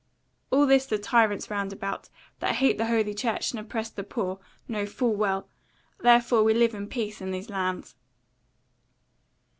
All this the tyrants round about, that hate holy Church and oppress the poor, know full well; therefore we live in peace in these lands."